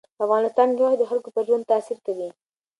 په افغانستان کې غوښې د خلکو پر ژوند تاثیر کوي.